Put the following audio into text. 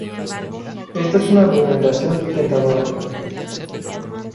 Esta es una argumentación tentadora.